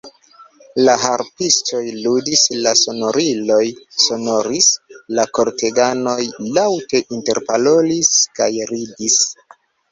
La harpistoj ludis, la sonoriloj sonoris, la korteganoj laŭte interparolis kaj ridis.